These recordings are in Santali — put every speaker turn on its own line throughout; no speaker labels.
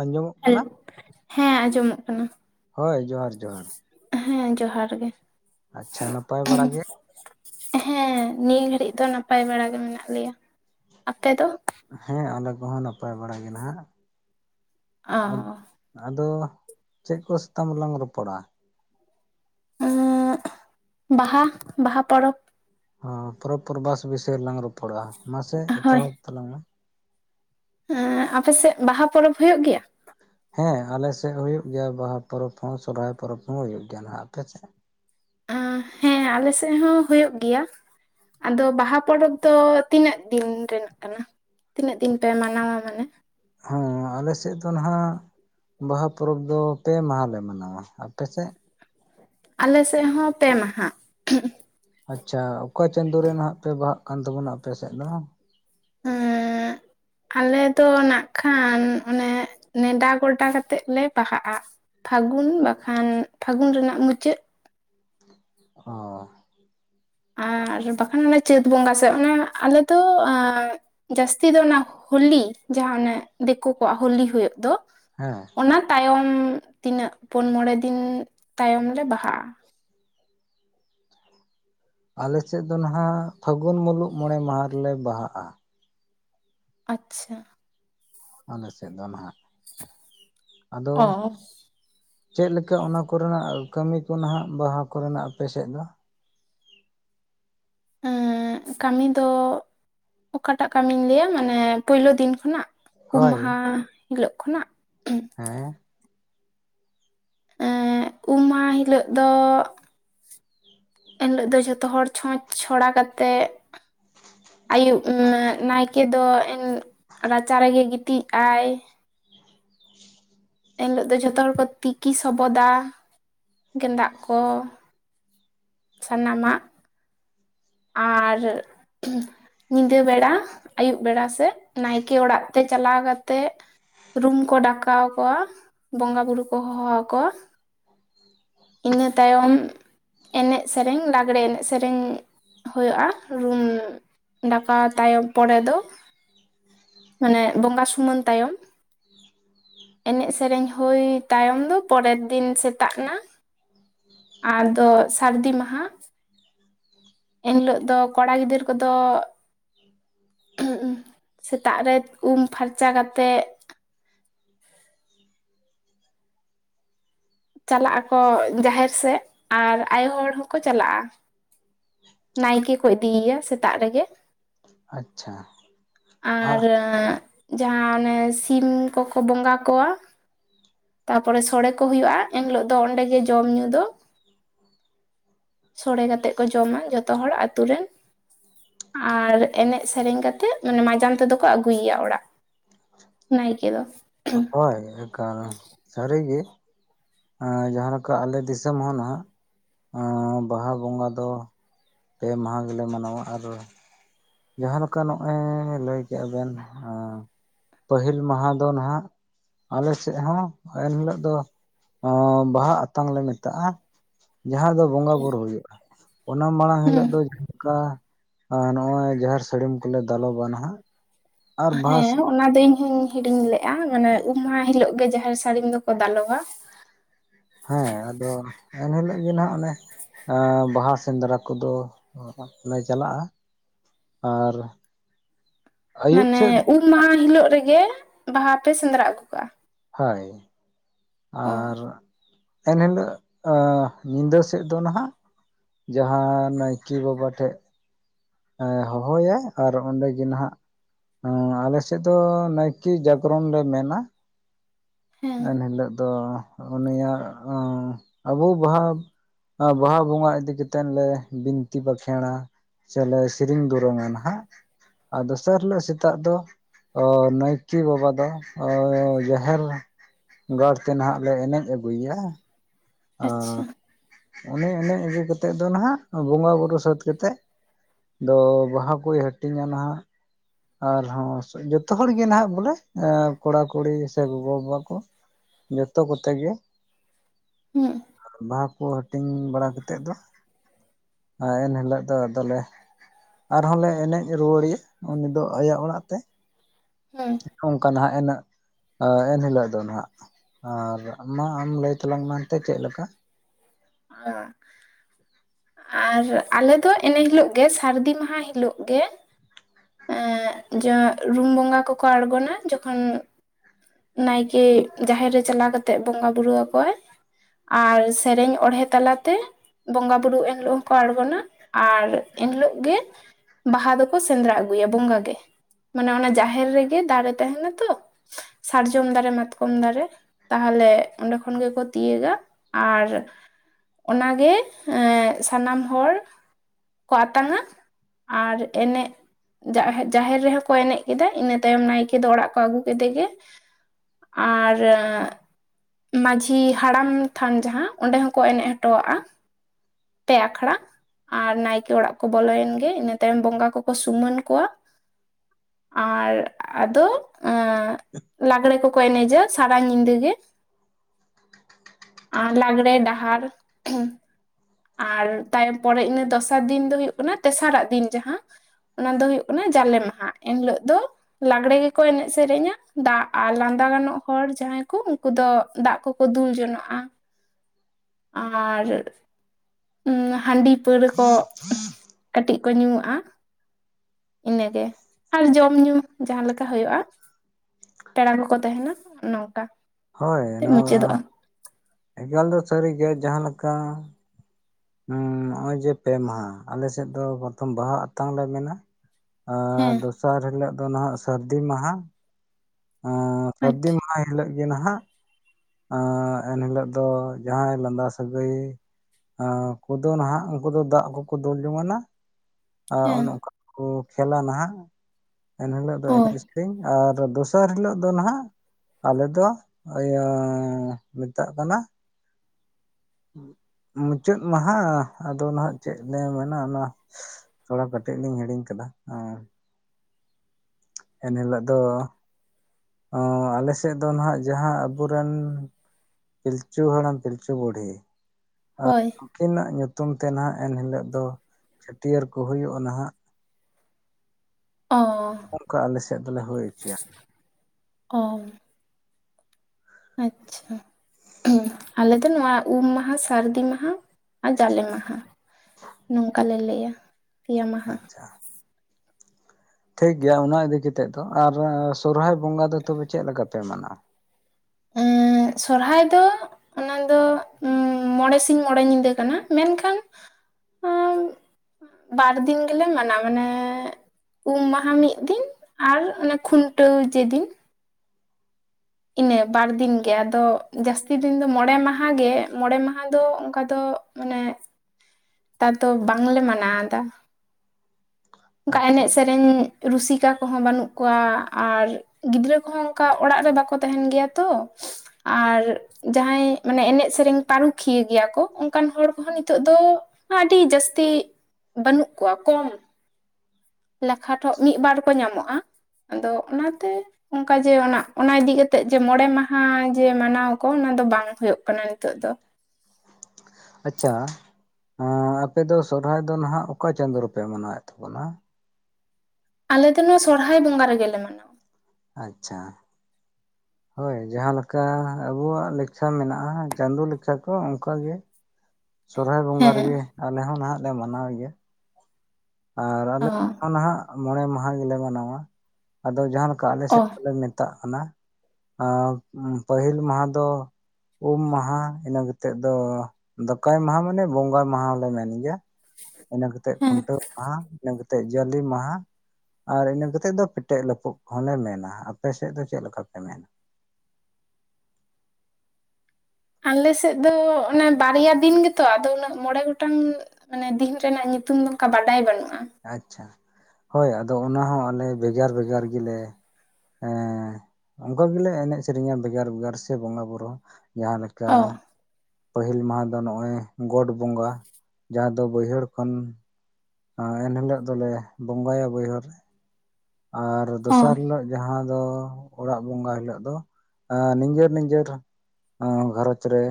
ᱟᱸᱡᱚᱢᱚᱜ ᱠᱟᱱᱟ
[unintelligible] ᱦᱮᱸ ᱟᱸᱡᱚᱢᱚᱜ ᱠᱟᱱᱟ
ᱦᱳᱭ ᱡᱚᱦᱟᱨ ᱡᱚᱦᱟᱨ
ᱦᱮᱸ ᱡᱚᱦᱟᱨ ᱜᱮ
ᱟᱪᱪᱷᱟ ᱱᱟᱯᱟᱭ ᱵᱟᱲᱟ ᱜᱮ
ᱦᱮᱸ ᱱᱤᱭᱟᱹ ᱜᱷᱟᱹᱲᱤᱡ ᱫᱚ ᱱᱟᱯᱟᱭ ᱵᱟᱲᱟ ᱜᱮ ᱢᱮᱱᱟᱜ ᱞᱮᱭᱟ ᱟᱯᱮ ᱫᱚ
ᱦᱮᱸ ᱟᱞᱮ ᱠᱚᱦᱚᱸ ᱱᱟᱯᱟᱭ ᱵᱟᱲᱟ ᱜᱮ ᱱᱟᱦᱟᱜ
ᱚ
ᱟᱫᱚ ᱪᱮᱫ ᱠᱚ ᱥᱟᱛᱟᱢ ᱨᱮᱞᱟᱝ ᱨᱚᱯᱚᱲᱟ
[unintelligible] ᱵᱟᱦᱟ ᱵᱟᱦᱟ ᱯᱚᱨᱚᱵᱽ
ᱦᱚᱸ ᱯᱚᱨᱚᱵᱽ ᱯᱚᱨᱵᱷᱟᱥ ᱵᱤᱥᱚᱭ ᱨᱮᱞᱟᱝ ᱨᱚᱯᱚᱲᱚᱜᱼᱟ ᱢᱟᱥᱮ
ᱦᱳᱭ
ᱮᱛᱚᱦᱚᱵ ᱛᱟᱞᱟᱝ ᱢᱮ
ᱮᱸ ᱟᱯᱮᱥᱮᱫ ᱵᱟᱦᱟ ᱯᱚᱨᱚᱵ ᱦᱩᱭᱩᱜ ᱜᱮᱭᱟ?
ᱦᱮᱸ ᱟᱞᱮᱥᱮᱫ ᱦᱩᱭᱩᱜ ᱜᱮᱭᱟ ᱵᱟᱦᱟ ᱯᱚᱨᱚᱵᱽ ᱦᱚᱸ ᱥᱚᱦᱨᱟᱭ ᱯᱚᱨᱚᱵᱽ ᱦᱚᱸ ᱦᱩᱭᱩᱜ ᱜᱮᱭᱟ ᱦᱟᱜ ᱟᱯᱮᱥᱮᱫ
ᱦᱮᱸ ᱟᱞᱮ ᱥᱮᱫ ᱦᱚᱸ ᱦᱩᱭᱩᱜ ᱜᱮᱭᱟ ᱟᱫᱚ ᱵᱟᱦᱟ ᱯᱚᱨᱚᱵᱽ ᱫᱚ ᱛᱤᱱᱟᱹᱜ ᱫᱤᱱ ᱨᱮᱱᱟᱜ ᱠᱟᱱᱟ ᱛᱤᱱᱟᱹᱜ ᱫᱤᱱ ᱯᱮ ᱢᱟᱱᱟᱣᱟ ᱢᱟᱱᱮ
ᱦᱚᱸ ᱟᱞᱮ ᱥᱮᱫ ᱫᱚ ᱱᱟᱦᱟᱜ ᱵᱟᱦᱟ ᱯᱚᱨᱚᱵᱽ ᱫᱚ ᱯᱮ ᱢᱟᱦᱟ ᱞᱮ ᱢᱟᱱᱟᱣᱟ ᱟᱯᱮᱥᱮᱫ
ᱟᱞ ᱥᱮᱫ ᱦᱚᱸ ᱯᱮ ᱢᱟᱦᱟ
ᱟᱪᱪᱷᱟ ᱚᱠᱟ ᱪᱟᱸᱫᱳ ᱨᱮ ᱱᱟᱦᱟᱜ ᱯᱮ ᱵᱟᱦᱟᱜ ᱠᱟᱱ ᱛᱟᱵᱚᱱᱟ ᱟᱯᱮ ᱥᱮᱫ ᱫᱚ
[unintelligible] ᱟᱞᱮ ᱫᱚ ᱱᱟᱜ ᱠᱷᱟᱱ ᱚᱱᱮ ᱱᱮᱰᱟ ᱜᱚᱴᱟ ᱠᱟᱛᱮᱫ ᱞᱮ ᱵᱟᱦᱟᱜᱼᱟ ᱯᱷᱟᱹᱜᱩᱱ ᱵᱟᱠᱷᱟᱱ ᱯᱷᱟᱹᱜᱩᱱ ᱨᱮᱱᱟᱜ ᱢᱩᱪᱟᱹᱫ
ᱚ
ᱟᱨ ᱵᱟᱠᱷᱟᱱ ᱚᱱᱟ ᱪᱟᱹᱛ ᱵᱚᱸᱜᱟ ᱥᱮᱫ ᱚᱱᱟ ᱟᱞᱮ ᱫᱚ ᱡᱟᱹᱥᱛᱤ ᱫᱚ ᱚᱱᱟ ᱦᱳᱞᱤ ᱡᱟᱦᱟᱸᱚᱱᱮ ᱫᱤᱠᱩ ᱠᱚᱣᱟᱜ ᱦᱳᱞᱤ ᱦᱩᱭᱩᱜ ᱫᱚ
ᱦᱮᱸ
ᱚᱱᱟ ᱛᱟᱭᱚᱢ ᱛᱤᱱᱟᱹᱜ ᱯᱩᱱ ᱢᱚᱬᱮ ᱫᱤᱱ ᱛᱟᱭᱚᱢ ᱞᱮ ᱵᱟᱦᱟᱜᱼᱟ
ᱟᱞᱮ ᱥᱮᱫ ᱫᱚ ᱱᱟᱦᱟᱜ ᱯᱷᱟᱹᱜᱩᱱ ᱢᱩᱞᱩᱜ ᱢᱚᱬᱮ ᱢᱟᱦᱟ ᱨᱮᱞᱮ ᱵᱟᱦᱟᱜᱼᱟ
ᱟᱪᱪᱷᱟ
ᱟᱞᱮ ᱥᱮᱫ ᱫᱚ ᱱᱟᱦᱟᱜ ᱟᱫᱚ
ᱚ
ᱪᱮᱫ ᱞᱮᱠᱟ ᱚᱱᱟ ᱠᱚᱨᱮᱱᱟᱜ ᱠᱟᱹᱢᱤ ᱠᱚ ᱱᱟᱦᱟᱜ ᱵᱟᱦᱟ ᱠᱚᱨᱮᱱᱟᱜ ᱟᱯᱮ ᱥᱮᱫ ᱫᱚ
ᱦᱩᱸᱻ ᱠᱟᱹᱢᱤ ᱫᱚ ᱚᱠᱟᱴᱟᱜ ᱠᱟᱹᱢᱤᱧ ᱞᱟᱹᱭᱟ ᱢᱟᱱᱮ ᱯᱩᱭᱞᱳ ᱫᱤᱱ ᱠᱷᱚᱱᱟᱜ᱾ ᱩᱢ
ᱦᱳᱭ
ᱢᱟᱦᱟ ᱦᱤᱞᱚᱜ ᱠᱷᱚᱱᱟᱜ᱾
[unintelligible]
ᱮᱸᱻ ᱩᱢ ᱢᱟᱦᱟ ᱦᱤᱞᱟᱹᱜ ᱫᱚ ᱮᱱ ᱦᱤᱞᱚᱜ ᱫᱚ ᱡᱚᱛᱚ ᱦᱚᱲ ᱪᱷᱚᱸᱪ ᱪᱷᱚᱲᱟ ᱠᱟᱛᱮᱜ ᱟᱭᱩᱵ ᱱᱟᱭᱠᱮ ᱫᱚ ᱮᱱ ᱨᱟᱪᱟ ᱨᱮᱜᱮ ᱜᱤᱛᱤᱡᱼᱟᱭ᱾ ᱮᱱ ᱦᱤᱞᱚᱜ ᱫᱚ ᱡᱚᱛᱚ ᱦᱚᱲ ᱠᱚ ᱛᱤᱠᱤ ᱥᱚᱵᱚᱫᱟ ᱜᱮᱸᱫᱟᱜ ᱠᱚ᱾ ᱥᱟᱱᱟᱢᱟᱜ ᱟᱨ [unintelligible] [inaudible] ᱧᱤᱫᱟᱹ ᱵᱮᱲᱟ ᱟᱭᱩᱵ ᱵᱮᱲᱟ ᱥᱮᱫ ᱱᱟᱭᱠᱮ ᱚᱲᱟᱜ ᱛᱮ ᱪᱟᱞᱟᱣ ᱠᱟᱛᱮᱜ ᱨᱩᱢ ᱠᱚ ᱰᱟᱠᱟᱣ ᱠᱚᱣᱟ ᱵᱚᱸᱜᱟ ᱵᱩᱨᱩ ᱠᱚ ᱦᱚᱦᱚ ᱟᱠᱚᱣᱟ ᱤᱱᱟᱹ ᱛᱟᱭᱚᱢ ᱮᱱᱮᱡ ᱥᱮᱨᱮᱧ ᱞᱟᱜᱽᱲᱮ ᱮᱱᱮᱡ ᱥᱮᱨᱮᱧ ᱦᱩᱭᱩᱜᱼᱟ ᱨᱩᱢ ᱰᱟᱠᱟᱭ ᱛᱟᱭᱚᱢ ᱯᱚᱨᱮ ᱫᱚ ᱢᱟᱱᱮ ᱵᱚᱸᱜᱟ ᱥᱩᱢᱟᱹᱱ ᱛᱟᱭᱚᱢ ᱮᱱᱮᱡ ᱥᱮᱨᱮᱧ ᱦᱩᱭ ᱛᱟᱭᱚᱢ ᱫᱚ ᱯᱚᱨᱮᱨ ᱫᱤᱱ ᱥᱮᱛᱟᱜ ᱮᱱᱟ ᱟᱫᱚ ᱥᱟᱹᱨᱫᱤ ᱢᱟᱦᱟ
[inaudible]
ᱮᱱ ᱦᱤᱞᱳᱜ ᱫᱚ ᱠᱚᱲᱟ ᱜᱤᱫᱟᱹᱨ ᱠᱚ ᱫᱚ [unintelligible] ᱥᱮᱛᱟᱜ ᱨᱮ ᱩᱢ ᱯᱷᱟᱨᱪᱟ ᱠᱟᱛᱮᱫ
[inaudible]
ᱪᱟᱞᱟᱜ ᱟᱠᱚ ᱡᱟᱦᱮᱨ ᱥᱮᱫ ᱟᱨ ᱟᱭᱳ ᱦᱚᱲ ᱦᱚᱸᱠᱚ ᱪᱟᱞᱟᱜᱼᱟ᱾
[inaudible]
ᱱᱟᱭᱠᱮ ᱠᱚ ᱤᱫᱤᱭᱮᱭᱟ ᱥᱮᱛᱟᱜ ᱨᱮᱜᱮ᱾
ᱟᱪᱪᱷᱟ
[inaudible]
ᱟᱨ
ᱟᱨᱻ ᱡᱟᱦᱟᱸ ᱚᱱᱮ ᱥᱤᱢ ᱠᱚᱠᱚ ᱵᱚᱸᱜᱟ ᱠᱚᱣᱟ ᱛᱟᱨ ᱯᱚᱨᱮ ᱥᱚᱲᱮ ᱠᱚ ᱦᱩᱭᱩᱜᱼᱟ ᱮᱱ ᱦᱤᱞᱚᱜ ᱫᱚ ᱚᱸᱰᱮ ᱜᱮ ᱡᱚᱢ-ᱧᱩ ᱫᱚ᱾ ᱥᱚᱲᱮ ᱠᱟᱛᱮᱫ ᱠᱚ ᱡᱚᱢᱟ ᱡᱚᱛᱚ ᱦᱚᱲ ᱟᱛᱳ ᱨᱮᱱ᱾ ᱟᱨ ᱮᱱᱮᱡ ᱥᱮᱨᱮᱧ ᱠᱟᱛᱮᱜ ᱢᱟᱱᱮ ᱢᱟᱡᱟᱱ ᱛᱮᱫᱚ ᱠᱚ ᱟᱹᱜᱩᱭᱮᱭᱟ ᱚᱲᱟᱜ ᱾ ᱱᱟᱭᱠᱮ ᱫᱚ ᱾
ᱦᱚᱭ ᱮᱠᱟᱞ ᱥᱟᱹᱨᱤᱜᱮ ᱾ ᱟᱹᱻ ᱡᱟᱦᱟᱸ ᱞᱮᱠᱟ ᱟᱞᱮ ᱫᱤᱥᱚᱢ ᱦᱚᱸ ᱱᱟᱦᱟᱜ ᱵᱟᱦᱟ ᱵᱚᱸᱜᱟ ᱫᱚ᱾ ᱯᱮ ᱢᱟᱦᱟ ᱜᱮᱞᱮ ᱢᱟᱱᱟᱣᱟ ᱟᱫᱚ ᱡᱟᱦᱟᱸ ᱞᱮᱠᱟ ᱱᱚᱜᱼᱚᱭ ᱞᱟᱹᱭ ᱠᱮᱜᱼᱟ ᱵᱤᱱ ᱯᱟᱹᱦᱤᱞ ᱢᱟᱦᱟ ᱫᱚ ᱱᱷᱟᱜ ᱟᱞᱮ ᱥᱮᱫ ᱦᱚᱸ ᱮᱱ ᱦᱤᱞᱚᱜ ᱫᱚ ᱚᱸᱻ ᱵᱟᱦᱟ ᱟᱛᱟᱝ ᱞᱮ ᱢᱮᱛᱟᱜᱼᱟ᱾ ᱡᱟᱦᱟᱸ ᱫᱚ ᱵᱚᱸᱜᱟ ᱵᱩᱨᱩ ᱦᱩᱭᱩᱜᱼᱟ ᱚᱱᱟ ᱢᱟᱲᱟᱝ
ᱦᱩᱸ
ᱦᱤᱞᱚᱜ ᱫᱚ ᱡᱟᱦᱟᱸ ᱞᱮᱠᱟ ᱱᱚᱜᱼᱚᱭ ᱡᱟᱦᱮᱨ ᱥᱟᱹᱲᱤᱢ ᱠᱚᱞᱮ ᱫᱟᱞᱚᱵᱟ ᱱᱷᱟᱜᱟᱸᱜ
ᱦᱮᱸ ᱚᱱᱟ ᱫᱚ ᱤᱧ ᱦᱚᱧ ᱦᱤᱲᱤᱧ ᱞᱮᱫᱼᱟ ᱢᱟᱱᱮ ᱩᱢ ᱢᱟᱦᱟ ᱦᱤᱞᱚᱜ ᱜᱮ ᱡᱟᱦᱮᱨ ᱥᱟᱹᱲᱤᱢ ᱫᱚ ᱠᱚ ᱫᱟᱞᱚᱜᱼᱟ᱾
ᱦᱮᱸ ᱟᱫᱚ ᱮᱱᱦᱤᱞᱚᱜ ᱜᱮ ᱦᱟᱜ ᱚᱱᱮ ᱵᱟᱦᱟ ᱥᱮᱸᱫᱽᱨᱟ ᱠᱚᱫᱚ᱾ ᱞᱮ ᱪᱟᱞᱟᱜᱼᱟ ᱟᱨ ᱟᱹᱭᱩᱵ
ᱢᱟᱱᱮ
ᱥᱮᱫ
ᱩᱢ ᱢᱟᱦᱟ ᱦᱤᱞᱚᱜ ᱨᱮᱜᱮ ᱵᱟᱦᱟ ᱯᱮ ᱥᱮᱸᱫᱽᱨᱟ ᱟᱹᱜᱩ ᱠᱟᱜᱼᱟ᱾
ᱦᱚᱭ
ᱚ
ᱟᱨ ᱮᱱ ᱦᱤᱞᱚᱜ [unintelligible] ᱧᱤᱫᱟᱹ ᱥᱮᱫ ᱫᱚ ᱱᱟᱦᱟᱜ ᱡᱟᱦᱟᱸ ᱱᱟᱭᱠᱮ ᱵᱟᱵᱟ ᱴᱷᱮᱡ ᱦᱮᱸᱦᱚᱟᱭ ᱟᱨ ᱚᱸᱰᱮ ᱜᱮ ᱱᱟᱦᱟᱜ ᱮᱸ ᱟᱞᱮᱥᱮᱫ ᱫᱚ ᱱᱟᱭᱠᱮ ᱡᱟᱜᱽᱨᱚᱱ ᱞᱮ ᱢᱮᱱᱟ᱾
ᱦᱮᱸ
ᱮᱱ ᱦᱤᱞᱚᱜ ᱫᱚ ᱩᱱᱤᱭᱟᱜ ᱟᱵᱚ ᱵᱟᱦᱟ ᱵᱟᱦᱟ ᱵᱚᱸᱜᱟ ᱤᱫᱤ ᱠᱟᱛᱮᱫ ᱞᱮ ᱵᱤᱱᱛᱤ ᱵᱟᱠᱷᱮᱲᱟ ᱾ ᱥᱮᱞᱮ ᱥᱮᱨᱮᱧ ᱫᱩᱨᱟᱹᱝᱟ ᱱᱟᱦᱟᱜ ᱟᱨ ᱫᱚᱥᱟᱨ ᱦᱤᱞᱚᱜ ᱥᱮᱛᱟᱜ ᱫᱚ ᱚᱼᱱᱟᱭᱠᱮ ᱵᱟᱵᱟ ᱫᱚ ᱚᱻ ᱡᱟᱦᱮᱨ ᱜᱟᱲᱛᱮ ᱱᱟᱦᱟᱜ ᱞᱮ ᱮᱱᱮᱡ ᱟᱹᱜᱩᱭᱮᱭᱟ᱾ ᱟᱨᱻ
ᱟᱪᱪᱷᱟ
ᱩᱱᱮ ᱮᱱᱮ ᱟᱹᱜᱩ ᱠᱟᱛᱮᱫ ᱫᱚ ᱱᱟᱦᱟᱸᱜ ᱵᱚᱸᱜᱟᱼᱵᱩᱨᱩ ᱥᱟᱹᱛ ᱠᱟᱛᱮᱫ ᱫᱚ ᱵᱟᱦᱟ ᱠᱚᱭ ᱦᱟᱹᱴᱤᱧᱟ ᱱᱟᱦᱟᱜ ᱟᱨᱦᱚᱸ ᱡᱚᱛᱚ ᱦᱚᱲ ᱜᱮ ᱱᱟᱦᱟᱜ ᱵᱚᱞᱮ ᱠᱚᱲᱟ ᱠᱩᱲᱤ ᱥᱮ ᱜᱚᱜᱚ ᱵᱟᱵᱟ ᱠᱚ ᱡᱚᱛᱚ ᱠᱚᱛᱮ ᱜᱮ
ᱦᱩᱸ
ᱵᱟᱦᱟ ᱠᱚ ᱦᱟᱹᱴᱤᱧ ᱵᱟᱲᱟ ᱠᱟᱛᱮᱫ ᱫᱚ ᱟᱨ ᱮᱱ ᱦᱤᱞᱚᱜ ᱫᱚ ᱟᱫᱚ ᱞᱮ ᱟᱨᱦᱚᱸᱞᱮ ᱮᱱᱮᱡ ᱨᱩᱣᱟᱹᱲᱮᱭᱟ ᱩᱱ ᱫᱚ ᱟᱭᱟᱜ ᱚᱲᱟᱜ ᱛᱮ
ᱦᱩᱸ
ᱚᱱᱠᱟ ᱱᱟᱦᱟᱜ ᱮᱱᱹ ᱮᱱᱦᱤᱞᱚᱜ ᱫᱚ ᱱᱟᱱᱟᱜ ᱟᱨ ᱟᱢ ᱢᱟ ᱟᱢ ᱞᱟᱹᱭ ᱛᱟᱞᱟᱝ ᱢᱮ ᱚᱱᱛᱮ ᱪᱮᱫ ᱞᱮᱠᱟ?
ᱦᱮᱸ ᱟᱨ ᱟᱞᱮ ᱫᱚ ᱤᱱᱟᱹ ᱦᱤᱞᱚᱜ ᱜᱮ ᱥᱟᱹᱨᱫᱤ ᱢᱟᱦᱟ ᱦᱤᱞᱚᱜ ᱜᱮ ᱮ ᱡᱮ ᱨᱩᱢ ᱵᱚᱸᱜᱟ ᱠᱚᱠᱚ ᱟᱬᱜᱚᱱᱟ ᱡᱚᱠᱷᱚᱱ ᱱᱟᱭᱠᱮ ᱡᱟᱦᱮᱨ ᱨᱮ ᱪᱟᱞᱟᱣ ᱠᱟ ᱠᱟᱛᱮᱜ ᱵᱚᱸᱜᱟ ᱵᱩᱨᱩ ᱣᱟᱠᱚᱣᱟᱭ ᱟᱨ ᱥᱮᱨᱮᱧ ᱚᱬᱦᱮᱸ ᱛᱟᱞᱟ ᱛᱮ ᱵᱚᱸᱜᱟ ᱵᱩᱨᱩ ᱮᱱ ᱦᱤᱞᱳᱜ ᱦᱚᱸᱠᱚ ᱟᱬᱜᱚᱱᱟ ᱟᱨ ᱮᱱ ᱦᱤᱞᱚᱜ ᱜᱮ ᱵᱟᱦᱟ ᱫᱚᱠᱚ ᱥᱮᱸᱫᱽᱨᱟ ᱟᱹᱜᱩᱭᱟ ᱵᱚᱸᱜᱟ ᱜᱮ ᱢᱟᱱᱮ ᱚᱱᱟ ᱡᱟᱦᱮᱨ ᱨᱮᱜᱮ ᱫᱟᱨᱮ ᱛᱟᱦᱮᱱᱟ ᱛᱚ ᱥᱟᱨᱡᱚᱢ ᱫᱟᱨᱮ ᱢᱟᱛᱠᱚᱢ ᱫᱟᱨᱮ ᱛᱟᱦᱚᱞᱮ ᱚᱸᱰᱮ ᱠᱷᱚᱱ ᱜᱮᱠᱚ ᱛᱤᱭᱟᱹᱜᱟ ᱟᱨ ᱚᱱᱟ ᱜᱮ ᱮᱸ ᱥᱟᱱᱟᱢ ᱦᱚᱲ ᱠᱚ ᱟᱛᱟᱝᱟ ᱟᱨ ᱮᱱᱮᱡ ᱡᱟᱦᱮᱨ ᱨᱮᱦᱚᱸ ᱠᱚ ᱮᱱᱮᱡ ᱠᱮᱫᱟ ᱤᱱᱟᱹ ᱛᱟᱭᱚᱢ ᱱᱟᱭᱠᱮ ᱫᱚ ᱚᱲᱟᱜ ᱠᱚ ᱟᱹᱜᱩ ᱠᱮᱫᱮᱜ ᱜᱮ ᱟᱨᱼᱼ ᱢᱟᱹᱡᱷᱤ ᱦᱟᱲᱟᱢ ᱛᱷᱟᱱ ᱡᱟᱦᱟᱸ ᱚᱸᱰᱮ ᱦᱚᱸᱠᱚ ᱮᱱᱮᱡ ᱦᱚᱴᱚᱣᱟᱜᱼᱟ ᱛᱮ ᱟᱠᱷᱲᱟ ᱟᱨ ᱱᱟᱭᱠᱮ ᱚᱲᱟᱜ ᱠᱚ ᱵᱚᱞᱚᱭᱮᱱ ᱜᱮ ᱤᱱᱟᱹ ᱛᱟᱭᱚᱢ ᱵᱚᱸᱜᱟ ᱠᱚᱠᱚ ᱥᱩᱢᱟᱹᱱ ᱠᱚᱣᱟ ᱟᱨ ᱟᱫᱚ ᱮᱸᱜᱼ ᱞᱟᱜᱽᱬᱮ ᱠᱚᱠᱚ ᱮᱱᱮᱡᱟ ᱥᱟᱨᱟ ᱧᱤᱫᱟᱹ ᱜᱮ ᱟᱸ ᱞᱟᱜᱽᱬᱮ ᱰᱟᱦᱟᱨ ᱟᱨ ᱛᱟᱭᱚᱢ ᱯᱚᱨᱮ ᱤᱱᱟᱹ ᱫᱚᱥᱟᱨ ᱫᱤᱱ ᱫᱚ ᱦᱩᱭᱩᱜ ᱠᱟᱱᱟ ᱛᱮᱥᱟᱨᱟᱜ ᱫᱤᱱ ᱡᱟᱦᱟᱸ ᱚᱱᱟ ᱫᱚ ᱦᱩᱭᱩᱜ ᱠᱟᱱᱟ ᱡᱟᱞᱮ ᱢᱟᱦᱟ ᱮᱱ ᱦᱤᱞᱚᱜ ᱫᱚ ᱞᱟᱜᱽᱲᱮ ᱜᱮᱠᱚ ᱮᱱᱮᱡ ᱥᱮᱨᱮᱧᱟ ᱫᱟᱜ ᱟᱨ ᱞᱟᱸᱫᱟ ᱜᱟᱱᱚᱜ ᱦᱚᱲ ᱡᱟᱦᱟᱸᱭ ᱠᱚ ᱩᱱᱠᱩ ᱫᱚ ᱫᱟᱜ ᱠᱚ ᱠᱚ ᱫᱩᱞ ᱡᱚᱱᱚᱜᱼᱟ ᱟᱨᱼ ᱩᱢ ᱦᱟᱺᱰᱤ ᱯᱟᱹᱣᱨᱟᱹ ᱠᱚ ᱩᱸᱜᱦ ᱠᱟᱹᱴᱤᱡ ᱠᱚ ᱧᱩᱣᱟᱜᱼᱟ ᱤᱱᱟᱹᱜᱮ ᱟᱨ ᱡᱚᱢ ᱧᱩ ᱡᱟᱦᱟᱸ ᱞᱮᱠᱟ ᱦᱩᱭᱩᱜᱼᱟ ᱯᱮᱲᱟ ᱠᱚᱠᱚ ᱛᱟᱦᱮᱱᱟ ᱱᱚᱝᱠᱟ
ᱦᱳᱭ
ᱛᱮ
ᱱᱚᱶᱟ
ᱢᱩᱪᱟᱹᱫᱚᱜᱼᱟ
ᱮᱠᱟᱞ ᱫᱚ ᱥᱟᱹᱨᱤᱜᱮ ᱡᱟᱦᱟᱸ ᱞᱮᱠᱟ ᱱᱚᱜ ᱚᱭ ᱡᱮ ᱯᱮ ᱢᱟᱦᱟᱸ ᱟᱞ ᱥᱮᱫ ᱫᱚ ᱯᱨᱚᱛᱷᱚᱢ ᱵᱟᱦᱟ ᱟᱛᱟᱝ ᱞᱮ ᱢᱮᱱᱟ ᱟᱨ
ᱦᱮᱸ
ᱫᱚᱥᱟᱨ ᱦᱤᱞᱳᱜ ᱫᱚ ᱱᱟᱦᱟᱜ ᱥᱟᱹᱨᱫᱤ ᱢᱟᱦᱟ ᱟᱸ ᱥᱟᱹᱨᱫᱤ
ᱟᱪᱷᱟ
ᱢᱟᱦᱟ ᱟᱹᱱ ᱦᱤᱞᱳᱜ ᱜᱮ ᱱᱟᱦᱟᱜ᱾ ᱟᱸᱻ ᱮᱱᱦᱤᱞᱳᱜ ᱫᱚ ᱡᱟᱦᱟᱸᱭ ᱞᱟᱸᱫᱟ ᱥᱟᱹᱜᱟᱹᱭ ᱟᱨ ᱩᱱᱠᱩ ᱫᱚ ᱱᱟᱦᱟᱜ ᱩᱱᱠᱩ ᱫᱚ ᱫᱟᱜ ᱠᱚᱠᱚ ᱫᱩᱞ ᱡᱚᱝᱟᱱᱟ ᱟᱨ
ᱦᱮᱸ
ᱚᱱᱮ ᱚᱱᱠᱟ ᱠᱚ ᱠᱷᱮᱞᱟ ᱱᱟᱦᱟᱜ ᱮᱱᱦᱤᱞᱳᱜ ᱫᱚ
ᱚ
ᱮᱱᱮᱡ ᱥᱮᱨᱮᱧ ᱟᱨ ᱫᱚᱥᱟᱨ ᱫᱚᱥᱟᱨ ᱦᱤᱞᱳᱜ ᱫᱚ ᱱᱟᱦᱟᱜ ᱟᱞᱮ ᱫᱚ ᱤᱭᱟᱹ ᱢᱮᱛᱟᱜ ᱠᱟᱱᱟ ᱢᱩᱪᱟᱹᱫ ᱢᱟᱦᱟ ᱟᱫᱚ ᱱᱟᱦᱟᱜ ᱪᱮᱫ ᱞᱮ ᱢᱮᱱᱟ ᱚᱱᱟ ᱛᱷᱚᱲᱟ ᱠᱟᱹᱴᱤᱡ ᱞᱤᱧ ᱦᱤᱲᱤᱧ ᱟᱠᱟᱫᱟ ᱟᱨ ᱮᱱᱦᱤᱞᱳᱜ ᱫᱚ ᱟᱸᱻ ᱟᱞᱮᱥᱮᱫ ᱫᱚ ᱱᱟᱦᱟᱜ ᱡᱟᱦᱟᱸ ᱟᱵᱚᱨᱮᱱ ᱯᱤᱞᱪᱩ ᱦᱟᱲᱟᱢ ᱯᱤᱞᱪᱩ ᱵᱩᱲᱤ᱾
ᱦᱳᱭ᱾
ᱩᱱᱠᱤᱱᱟᱜ ᱧᱩᱛᱩᱢ ᱛᱮ ᱱᱟᱦᱟᱜ ᱮᱱᱦᱤᱞᱳᱜ ᱫᱚ ᱪᱷᱟᱹᱴᱭᱟᱹᱨ ᱠᱚ ᱦᱩᱭᱩᱜᱼᱟ ᱱᱟᱦᱟᱜ᱾
ᱚᱻ᱾
ᱚᱱᱠᱟ ᱟᱞᱮ ᱥᱮᱫ ᱫᱚᱞᱮ ᱦᱩᱭ ᱦᱚᱪᱚᱭᱟ᱾
ᱚ᱾ ᱟᱪᱷᱟ ᱦᱩᱸᱢ ᱟᱞᱮ ᱫᱚ ᱱᱚᱣᱟ ᱩᱢ ᱢᱟᱦᱟ ᱥᱟᱹᱨᱫᱤ ᱢᱟᱦᱟ ᱟᱨ ᱡᱟᱞᱮ ᱢᱟᱦᱟ᱾ ᱱᱚᱝᱠᱟ ᱞᱮ ᱞᱟᱹᱭᱼᱟ ᱯᱮᱭᱟ ᱢᱟᱦᱟ᱾
ᱟᱪᱪᱷᱟ ᱴᱷᱤᱠ ᱜᱮᱭᱟ ᱚᱱᱟ ᱤᱫᱤ ᱠᱟᱛᱮᱫ ᱫᱚ᱾ ᱟᱨ ᱥᱚᱨᱦᱟᱭ ᱵᱚᱸᱜᱟ ᱫᱚ ᱛᱚᱵᱮ ᱪᱮᱫ ᱞᱮᱠᱟ ᱯᱮ ᱢᱟᱱᱟᱣᱼᱟ?
ᱮᱸᱻ ᱥᱚᱨᱦᱟᱭ ᱫᱚ ᱚᱱᱟ ᱫᱚ ᱩᱸᱢ ᱢᱚᱬᱮ ᱥᱤᱧ ᱢᱚᱬᱮ ᱧᱤᱫᱟᱹ ᱠᱟᱱᱟ ᱢᱮᱱᱠᱷᱟᱱ ᱟᱝ ᱵᱟᱨ ᱫᱤᱱ ᱜᱮᱞᱮ ᱢᱟᱱᱟ ᱢᱟᱱᱮ ᱩᱢ ᱢᱟᱦᱟ ᱢᱤᱫ ᱫᱤᱱ ᱟᱨ ᱚᱱᱮ ᱠᱷᱩᱱᱴᱟᱹᱣ ᱡᱮᱫᱤᱱ ᱤᱱᱟᱹ ᱵᱟᱨ ᱫᱤᱱ ᱜᱮ ᱟᱫᱚ ᱡᱟᱹᱥᱛᱤ ᱫᱤᱱ ᱫᱚ ᱢᱚᱬᱮ ᱢᱟᱦᱟ ᱜᱮ ᱢᱚᱬᱮ ᱢᱟᱦᱟ ᱫᱚ ᱚᱱᱠᱟ ᱫᱚ ᱢᱟᱱᱮ ᱛᱟ ᱛᱚ ᱵᱟᱝᱞᱮ ᱢᱟᱱᱟᱣᱫᱟ᱾ ᱚᱱᱠᱟ
ᱟᱪᱪᱷᱟ
ᱮᱱᱮᱡ ᱥᱮᱨᱮᱧ ᱨᱩᱥᱤᱠᱟ ᱠᱚᱦᱚᱸ ᱵᱟᱹᱱᱩᱜ ᱠᱚᱣᱟ ᱟᱨ ᱜᱤᱫᱽᱨᱟᱹ ᱠᱚᱦᱚᱸ ᱚᱱᱠᱟ ᱚᱲᱟᱜ ᱨᱮ ᱵᱟᱠᱚ ᱛᱟᱦᱮᱱ ᱜᱮᱭᱟ ᱛᱚ ᱟᱨ ᱡᱟᱦᱟᱸᱭ ᱢᱟᱱᱮ ᱮᱱᱮᱡ ᱥᱮᱨᱮᱧ ᱯᱟᱹᱨᱩᱠᱷᱤᱭᱟᱹ ᱜᱮᱭᱟ ᱠᱚ ᱚᱱᱠᱟᱱ ᱦᱚᱲ ᱠᱚᱦᱚᱸ ᱱᱤᱛᱚᱜ ᱫᱚ ᱟᱹᱰᱤ ᱡᱟᱹᱥᱛᱤ ᱵᱟᱹᱱᱩᱜ ᱠᱚᱣᱟ ᱠᱚᱢ ᱞᱮᱠᱷᱟ ᱴᱷᱚᱜ ᱢᱤᱫ ᱵᱟᱨ ᱠᱚ ᱧᱟᱢᱚᱜᱼᱟ ᱟᱫᱚ ᱚᱱᱟᱛᱮ ᱚᱱᱠᱟ ᱡᱮ ᱚᱱᱟ ᱚᱱᱟ ᱤᱫᱤ ᱠᱟᱛᱮᱜ ᱡᱮ ᱢᱚᱬᱮ ᱢᱟᱦᱟ ᱡᱮ ᱢᱟᱱᱟᱣ ᱟᱠᱚ ᱚᱱᱟ ᱫᱚ ᱵᱟᱝ ᱦᱩᱭᱩᱜ ᱠᱟᱱᱟ ᱱᱤᱛᱚᱜ ᱫᱚ᱾
ᱟᱪᱪᱷᱟ ᱟᱸ ᱟᱯᱮ ᱫᱚ ᱥᱚᱨᱦᱟᱭ ᱫᱚ ᱱᱟᱦᱟᱜ ᱚᱠᱟ ᱪᱟᱸᱫᱳ ᱨᱮᱯᱮ ᱢᱟᱱᱟᱣᱮᱫ ᱛᱟᱵᱚᱱᱟ?
ᱟᱞᱮ ᱫᱚ ᱱᱚᱣᱟ ᱥᱚᱨᱦᱟᱭ ᱵᱚᱸᱜᱟ ᱨᱮᱜᱮᱞᱮ ᱢᱟᱱᱟᱣᱟ᱾
ᱟᱪᱪᱷᱟ᱾ ᱦᱳᱭ ᱡᱟᱦᱟᱸ ᱞᱮᱠᱟ ᱟᱵᱚᱣᱟᱜ ᱞᱮᱠᱷᱟ ᱢᱮᱱᱟᱜᱼᱟ ᱪᱟᱸᱫᱚ ᱞᱮᱠᱷᱟ ᱠᱚ ᱚᱱᱠᱟᱜᱮ᱾ ᱥᱚᱨᱦᱟᱭ ᱵᱚᱸᱜᱟ
ᱦᱮᱸ
ᱨᱮᱜᱮ ᱟᱞᱮ ᱦᱚᱸ ᱱᱟᱦᱟᱜ ᱞᱮ ᱢᱟᱱᱟᱣ ᱜᱮᱭᱟ᱾ ᱟᱨ
ᱚ
ᱟᱞᱮ ᱦᱚᱸ ᱱᱟᱦᱟᱜ ᱢᱚᱬᱮ ᱢᱟᱦᱟ ᱜᱮᱞᱮ ᱢᱟᱱᱟᱣᱟ ᱟᱫᱚ ᱡᱟᱦᱟᱸ ᱞᱮᱠᱟ ᱟᱞᱮ
ᱚ
ᱥᱮᱫ ᱫᱚᱞᱮ ᱢᱮᱱ ᱢᱮᱛᱟᱜ ᱠᱟᱱᱟ ᱯᱟᱹᱦᱤᱞ ᱢᱟᱦᱟ ᱟᱫᱚ ᱩᱢ ᱢᱟᱦᱟ ᱤᱱᱟᱹ ᱠᱟᱛᱮᱫ ᱫᱚ ᱫᱟᱠᱟᱭ ᱢᱟᱦᱟᱸ ᱢᱟᱱᱮ ᱵᱚᱸᱜᱟᱟᱭ ᱢᱟᱦᱟ ᱦᱚᱹᱞᱮ ᱢᱮᱱ ᱜᱮᱭᱟ ᱤᱱᱟᱹ ᱠᱟᱛᱮᱫ
ᱦᱮᱸ
ᱠᱷᱩᱱᱴᱟᱹᱜ ᱢᱟᱦᱟ ᱤᱱᱟᱹ ᱠᱟᱛᱮᱫ ᱡᱟᱹᱞᱤ ᱢᱟᱦᱟ᱾ ᱟᱨ ᱤᱱᱟᱹ ᱠᱟᱛᱮᱫ ᱫᱚ ᱠᱮᱴᱮᱡ ᱞᱟᱯᱩᱜ ᱠᱚᱦᱚᱸᱞᱮ ᱢᱮᱱᱼᱟ᱾ ᱟᱯᱮᱥᱮᱫ ᱫᱚ ᱪᱮᱫ ᱞᱮᱠᱟᱯᱮ ᱢᱮᱱᱼᱟ?
ᱟᱞᱮᱥᱮᱫ ᱫᱚ ᱚᱱᱮ ᱵᱟᱨᱭᱟ ᱫᱤᱱ ᱜᱮᱛᱚ ᱟᱫᱚ ᱩᱱᱟᱹᱜ ᱢᱚᱬᱮ ᱜᱚᱴᱟᱝ᱾ ᱢᱟᱱᱮ ᱫᱤᱱ ᱨᱮᱱᱟᱜ ᱧᱩᱛᱩᱢ ᱫᱚ ᱚᱱᱠᱟ ᱵᱟᱰᱟᱭ ᱵᱟᱹᱱᱩᱜᱼᱟ᱿
ᱟᱪᱪᱷᱟ ᱦᱳᱭ ᱟᱫᱚ ᱚᱱᱟ ᱦᱚᱸ ᱟᱞᱮ ᱵᱷᱮᱜᱟᱨ ᱵᱷᱮᱜᱟᱨ ᱜᱮᱞᱮ ᱮᱸ ᱚᱱᱠᱟ ᱜᱮᱞᱮ ᱮᱱᱮᱡ ᱥᱮᱨᱮᱧᱟ ᱵᱷᱮᱜᱟᱨ ᱵᱷᱮᱜᱟᱨ ᱥᱮ ᱵᱚᱸᱜᱟ ᱵᱩᱨᱩ᱾ ᱡᱟᱦᱟᱸ ᱞᱮᱠᱟ
ᱚ
ᱯᱟᱹᱦᱤᱞ ᱢᱟᱦᱟ ᱫᱚ ᱱᱚᱜᱼᱚᱭ ᱜᱚᱴ ᱵᱚᱸᱜᱟ ᱡᱟᱦᱟᱸ ᱫᱚ ᱵᱟᱹᱭᱦᱟᱹᱲ ᱠᱷᱚᱱ ᱮᱸ ᱮᱱ ᱦᱤᱞᱚᱜ ᱫᱚᱞᱮ ᱵᱚᱸᱜᱟᱭᱟ ᱵᱟᱹᱭᱦᱟᱹᱲ ᱨᱮ ᱟᱨ
ᱚ
ᱫᱚᱥᱟᱨ ᱦᱤᱞᱚᱜ ᱡᱟᱦᱟᱸ ᱫᱚ ᱚᱲᱟᱜ ᱵᱚᱸᱜᱟ ᱦᱤᱞᱚᱜ ᱫᱚ ᱦᱮᱸ ᱱᱤᱡᱮᱨ ᱱᱤᱡᱮᱨ ᱮᱸ ᱜᱷᱟᱨᱚᱸᱡᱽ ᱨᱮ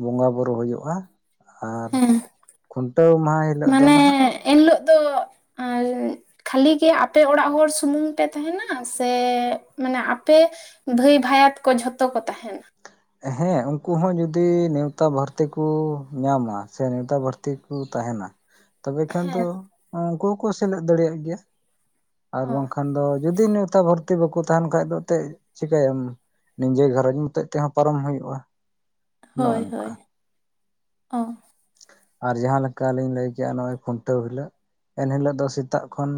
ᱵᱚᱸᱜᱟ ᱵᱩᱨᱩ ᱦᱩᱭᱩᱜᱼᱟ ᱟᱨ
ᱦᱮᱸ
ᱠᱷᱩᱱᱴᱟᱹᱣ ᱢᱟᱦᱟ ᱦᱤᱞᱚᱜ ᱫᱚ ᱱᱟᱦᱟᱜ
ᱮᱱ ᱦᱤᱞᱚᱜ ᱫᱚ ᱮᱸᱭ ᱠᱷᱟᱹᱞᱤ ᱜᱮ ᱟᱯᱮ ᱚᱲᱟᱜ ᱦᱚᱲ ᱥᱩᱢᱩᱝ ᱯᱮ ᱛᱟᱸᱦᱮᱱᱟ ᱥᱮ ᱢᱟᱱᱮ ᱟᱯᱮ ᱵᱷᱟᱹᱭ ᱵᱷᱟᱭᱟᱛ ᱠᱚ ᱡᱷᱚᱛᱚ ᱠᱚ ᱛᱟᱸᱦᱮᱱᱟ᱾
ᱦᱮᱸ ᱩᱱᱠᱩ ᱦᱚᱸ ᱡᱩᱫᱤ ᱱᱮᱣᱛᱟ ᱵᱷᱟᱨᱛᱤ ᱠᱚ ᱧᱟᱢᱟ ᱥᱮ ᱱᱮᱣᱛᱟ ᱵᱷᱟᱨ ᱛᱮ ᱠᱚ ᱛᱟᱦᱮᱱᱟ ᱛᱚᱵᱮ ᱠᱷᱟᱱ ᱫᱚ
ᱦᱮᱸ
ᱩᱱᱠᱩ ᱦᱚᱸᱠᱚ ᱥᱮᱞᱮᱫ ᱫᱟᱲᱮᱭᱟᱜ ᱜᱮᱭᱟ ᱟᱨ
ᱚ
ᱵᱟᱝᱠᱷᱟᱱ ᱫᱚ ᱡᱩᱫᱤ ᱱᱮᱣᱛᱟ ᱵᱷᱟᱨ ᱛᱮ ᱵᱟᱠᱚ ᱛᱟᱦᱮᱱ ᱠᱷᱟᱡ ᱫᱚ ᱮᱱᱮᱫ ᱪᱤᱠᱟᱹᱭᱟᱢ ᱱᱤᱡᱮ ᱜᱷᱟᱨᱚᱸᱡᱽ ᱢᱚᱛᱚᱡ ᱛᱮᱦᱚᱸ ᱯᱟᱨᱚᱢ ᱦᱩᱭᱩᱜᱼᱟ ᱱᱚᱜᱼᱚ
ᱦᱳᱭ
ᱱᱚᱝᱠᱟ
ᱦᱳᱭ ᱚᱸ
ᱟᱨ ᱡᱟᱦᱟᱸ ᱞᱮᱠᱟ ᱞᱤᱧ ᱞᱟᱹᱭ ᱠᱮᱜᱼᱟ ᱱᱚᱜᱼᱚᱭ ᱠᱷᱩᱱᱴᱟᱹᱣ ᱦᱤᱞᱚᱜ ᱮᱱᱦᱤᱞᱳᱜ ᱫᱚ ᱥᱮᱛᱟᱜ ᱠᱷᱚᱱ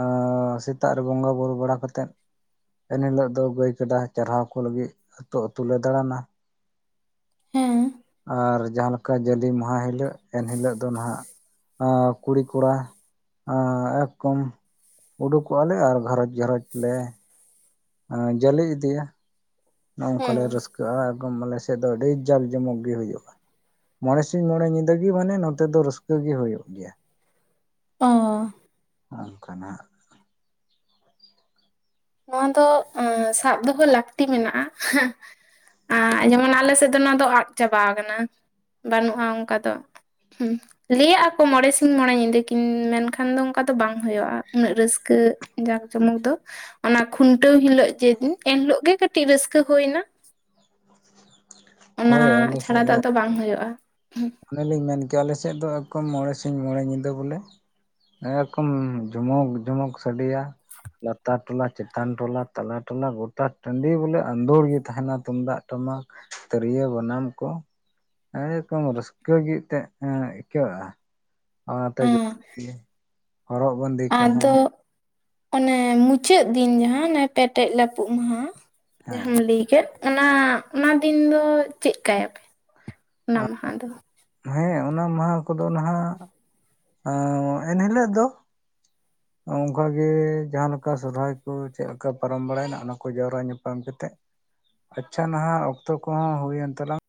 ᱮᱸ ᱥᱮᱛᱟᱜ ᱨᱮ ᱵᱚᱸᱜᱟᱵᱩᱨᱩ ᱵᱟᱲᱟ ᱠᱟᱛᱮᱫ ᱮᱱ ᱦᱤᱞᱚᱜ ᱫᱚ ᱜᱟᱹᱭ ᱠᱟᱰᱟ ᱪᱟᱨᱦᱟᱣ ᱠᱚ ᱞᱟᱹᱜᱤᱫ ᱟᱹᱛᱩ ᱟᱹᱛᱩ ᱞᱮ ᱫᱟᱬᱟᱱᱟ
ᱦᱮᱸ
ᱟᱨ ᱡᱟᱦᱟᱸ ᱞᱮᱠᱟ ᱡᱟᱞᱤ ᱢᱟᱦᱟ ᱦᱤᱞᱳᱜ ᱮᱱᱦᱤᱞᱳᱜ ᱫᱚ ᱱᱟᱜ ᱟᱸ ᱠᱩᱲᱤ ᱠᱚᱲᱟ ᱮᱠᱚᱢ ᱩᱰᱩᱠᱚᱜ-ᱟᱞᱮ ᱟᱨ ᱜᱷᱟᱨᱚᱸᱡᱽ ᱜᱷᱟᱨᱚᱸᱡᱽ ᱞᱮ ᱚᱸ ᱡᱟᱹᱞᱮ ᱤᱫᱤᱭᱟ ᱱᱚᱝᱠᱟ
ᱦᱮᱸ
ᱞᱮ ᱨᱟᱹᱥᱠᱟᱹᱜ ᱼᱟ ᱮᱫᱚᱢ ᱟᱞᱮ ᱥᱮᱫ ᱫᱚ ᱟᱹᱰᱤ ᱡᱟᱠ ᱡᱚᱢᱚᱠ ᱜᱮ ᱦᱩᱭᱩᱜᱼᱟ ᱢᱚᱬᱮ ᱥᱤᱧ ᱢᱚᱬᱮ ᱧᱤᱫᱟᱹ ᱜᱮ ᱢᱟᱱᱮ ᱱᱚᱛᱮ ᱫᱚ ᱨᱟᱹᱥᱠᱟᱹ ᱜᱮ ᱦᱩᱭᱩᱜ ᱜᱮᱭᱟ᱾
ᱚᱧᱜ
ᱚᱱᱠᱟᱱᱟᱜ
ᱱᱚᱶᱟ ᱫᱚ ᱥᱟᱵ ᱫᱚᱦᱚ ᱞᱟᱹᱠᱛᱤ ᱢᱮᱱᱟᱜᱼᱟ ᱟᱨ ᱡᱮᱢᱚᱱ ᱟᱞᱮ ᱥᱮᱫ ᱫᱚ ᱱᱚᱣᱟ ᱫᱚ ᱟᱫ ᱪᱟᱵᱟ ᱠᱟᱱᱟ ᱵᱟᱹᱱᱩᱜᱼᱟ ᱚᱝᱠᱟ ᱫᱚ ᱦᱩᱸ ᱞᱟᱹᱭᱟᱜᱼᱟ ᱠᱚ ᱢᱚᱬᱮ ᱥᱤᱧ ᱢᱚᱬᱮ ᱧᱤᱫᱟᱹ ᱠᱤᱱ ᱢᱮᱱᱠᱷᱟᱱ ᱫᱚ ᱚᱱᱠᱟ ᱫᱚ ᱵᱟᱝ ᱦᱩᱭᱩᱜᱼᱟ ᱩᱱᱟᱹᱜ ᱨᱟᱹᱥᱠᱟᱹ ᱡᱟᱠ ᱡᱚᱢᱚᱠ ᱫᱚ ᱚᱱᱟ ᱠᱷᱩᱱᱴᱟᱹᱣ ᱦᱤᱞᱳᱜ ᱡᱮᱫᱤᱱ ᱮᱱᱦᱤᱞᱚᱜ ᱜᱮ ᱠᱟᱹᱴᱤᱡ ᱨᱟᱹᱥᱠᱟᱹ ᱦᱳᱭᱱᱟ ᱚᱱᱟ
ᱦᱳᱭ ᱟᱞᱮ ᱥᱮᱫ
ᱪᱷᱟᱲᱟ ᱫᱚ ᱟᱫᱚ ᱵᱟᱝ ᱦᱩᱭᱩᱜᱼᱟ
ᱚᱱᱮᱞᱤᱧ ᱢᱮᱱ ᱠᱮᱭᱟ ᱟᱞᱮ ᱥᱮᱫ ᱫᱚ ᱮᱠᱫᱚᱢ ᱢᱚᱬᱮ ᱥᱤᱧ ᱢᱚᱬᱮ ᱧᱤᱫᱟᱹ ᱵᱚᱞᱮ ᱮᱨᱚᱠᱚᱢ ᱡᱢᱚᱠ ᱡᱩᱢᱩᱚᱠ ᱥᱟᱰᱮᱭᱟ ᱞᱟᱛᱟᱨ ᱴᱚᱞᱟ ᱪᱮᱛᱟᱱ ᱴᱚᱞᱟ ᱛᱟᱞᱟ ᱴᱚᱞᱟ ᱜᱚᱴᱟ ᱴᱟᱺᱰᱤ ᱵᱚᱞᱮ ᱟᱸᱫᱳᱲ ᱜᱮ ᱛᱟᱦᱮᱱᱟ ᱛᱩᱢᱫᱟᱜ ᱴᱟᱢᱟᱠ ᱛᱤᱨᱭᱟᱹ ᱵᱟᱱᱟᱢ ᱠᱚ [inaudible] ᱨᱚᱠᱚᱢ ᱨᱟᱹᱥᱠᱟᱹ ᱜᱮ ᱮᱱᱛᱮᱫ ᱟᱹᱭᱠᱟᱹᱜᱼᱟ ᱚᱱᱟᱛᱮ ᱡᱚᱛᱚ ᱜᱮ ᱦᱚᱨᱚᱜ ᱵᱟᱸᱫᱮ ᱠᱚᱦᱚᱸ
ᱟᱫᱚ ᱚᱱᱮ ᱢᱩᱪᱟᱹᱫ ᱫᱤᱱ ᱡᱟᱦᱟᱸ ᱚᱱᱮ ᱯᱮᱴᱮᱡ ᱞᱟᱯᱩᱜ ᱢᱟᱦᱟ
ᱦᱮᱸ
ᱡᱟᱦᱟᱸᱟᱢ ᱞᱟᱹᱭ ᱠᱮᱫ ᱚᱱᱟ ᱚᱱᱟ ᱫᱤᱱ ᱫᱚ ᱪᱮᱫ ᱠᱟᱭᱟᱯᱮ ᱚᱱᱟ ᱢᱟᱦᱟ ᱫᱚ
ᱦᱮᱸ ᱚᱱᱟ ᱢᱟᱦᱟ ᱠᱚᱫᱚ ᱱᱟᱦᱟᱜ ᱮᱸ ᱮᱱᱦᱤᱞᱳᱜ ᱫᱚ ᱚᱱᱠᱟᱟᱜᱮ ᱡᱟᱦᱟᱸ ᱞᱮᱠᱟ ᱥᱚᱨᱚᱦᱨᱟᱭ ᱠᱚ ᱪᱮᱫ ᱞᱮᱠᱟ ᱯᱟᱨᱚᱢ ᱵᱟᱲᱟᱭᱮᱱᱟ ᱚᱱᱟ ᱠᱚ ᱡᱟᱣᱨᱟ ᱧᱟᱯᱟᱢ ᱠᱟᱛᱮᱫ ᱟᱪᱪᱷᱟ ᱱᱟᱦᱟᱜ ᱚᱠᱛᱚ ᱠᱚᱦᱚᱸ ᱦᱩᱭᱮᱱ ᱛᱟᱞᱟᱝ